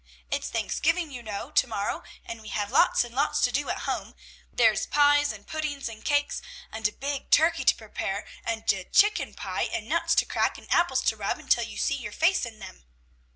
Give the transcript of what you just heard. "It's Thanksgiving, you know, to morrow, and we have such lots and lots to do at home; there's pies and puddings and cakes and a big turkey to prepare, and a chicken pie, and nuts to crack, and apples to rub until you can see your face in them."